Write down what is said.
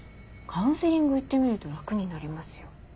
「カウンセリング行ってみると楽になりますよ」。